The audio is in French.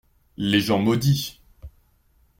Les gens maudits.